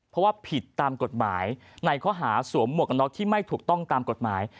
เพราะว่าผิดตามกฎหมายในข้อหาสวมหมวกกันน็อกที่ไม่ถูกต้องตามกฎหมาย